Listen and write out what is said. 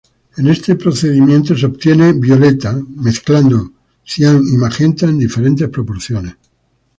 En este procedimiento se obtiene violeta mezclando cian y magenta en diferentes proporciones.